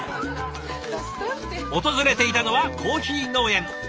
訪れていたのはコーヒー農園。